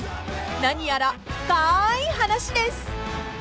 ［何やら深い話です］